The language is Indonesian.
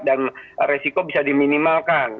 dan resiko bisa diminimalkan